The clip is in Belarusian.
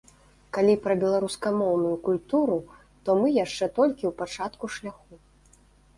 Калі пра беларускамоўную культуру, то мы яшчэ толькі ў пачатку шляху.